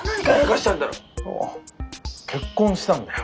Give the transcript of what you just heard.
おお結婚したんだよ。